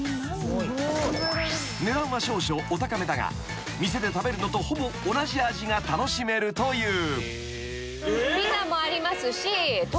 ［値段は少々お高めだが店で食べるのとほぼ同じ味が楽しめるという］